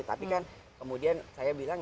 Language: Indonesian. tapi kan kemudian saya bilang